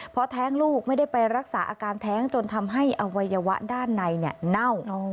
เพราะแท้งลูกไม่ได้ไปรักษาอาการแท้งจนทำให้อวัยวะด้านในเน่า